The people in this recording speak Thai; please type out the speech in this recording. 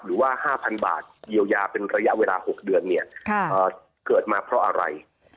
หรือว่า๕๐๐๐บาทเยียวยาเป็นระยะเวลา๖เดือนเนี่ยเกิดมาเพราะอะไร